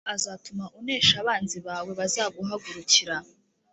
“Yehova azatuma unesha abanzi bawe bazaguhagurukira.